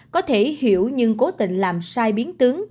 có thể hiểu nhưng cố tình làm sai biết